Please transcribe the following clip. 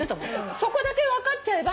そこだけ分かっちゃえば。